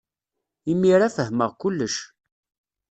Imir-a, fehmeɣ kullec.